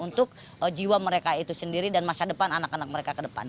untuk jiwa mereka itu sendiri dan masa depan anak anak mereka ke depan